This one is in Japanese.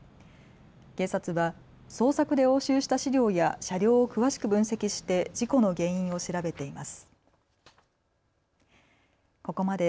警察は捜索で押収した資料や車両を詳しく分析して事故の原因を調べています。